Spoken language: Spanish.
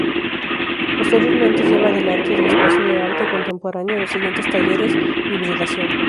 Posteriormente lleva a delante en el Espacio de Arte Contemporáneo los siguientes talleres: "Hibridación.